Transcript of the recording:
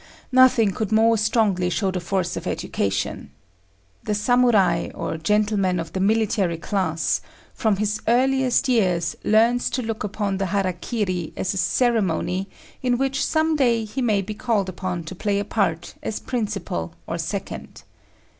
Nothing could more strongly show the force of education. The Samurai, or gentleman of the military class, from his earliest years learns to look upon the hara kiri as a ceremony in which some day he may be called upon to play a part as principal or second.